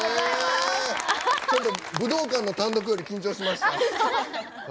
ちょっと武道館の単独より緊張しました。